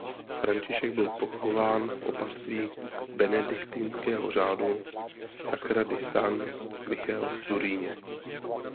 František byl pochován v opatství benediktinského řádu Sacra di San Michele v Turíně.